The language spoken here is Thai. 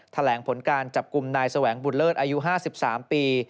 แถลงผลการจับกลุ่มนายแสวงบุญเลิศอายุ๕๓ปี